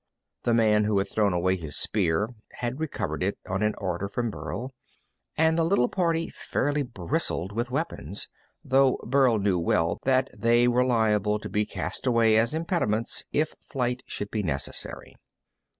The man who had thrown away his spear had recovered it on an order from Burl, and the little party fairly bristled with weapons, though Burl knew well that they were liable to be cast away as impediments if flight should be necessary.